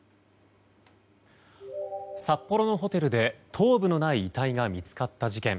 札幌のホテルで頭部のない遺体が見つかった事件。